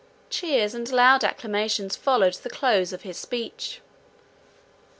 Cheers and loud acclamations followed the close of his speech.